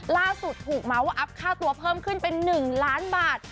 ล่าสุดถูกเมาส์ว่าอัพค่าตัวเพิ่มขึ้นเป็น๑ล้านบาท